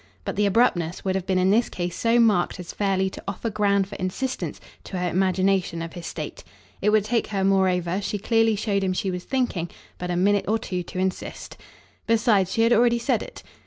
But the abruptness would have been in this case so marked as fairly to offer ground for insistence to her imagination of his state. It would take her moreover, she clearly showed him she was thinking, but a minute or two to insist. Besides, she had already said it.